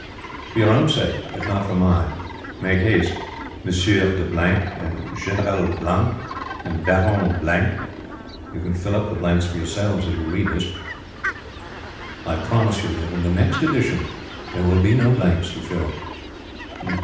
For your own sake, if not for mine, make haste, Monsieur de , and General , and Baron (you can fill up the blanks for yourselves as you read this). I promise you that in the next edition there will be no blanks to fill.